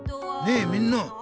ねえみんな。